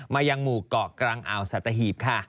มายังหมู่เกาะกรังอาวสัตหีพค่ะ